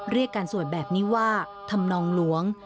เรียกการสวดแบบนี้ว่าธรรมนองหลวง